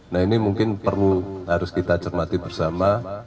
nah ini mungkin perlu harus kita cermati bersama